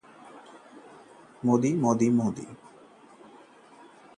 इस मुद्दे को सुलझाने के लिए मोदी सरकार और केजरीवाल आए साथ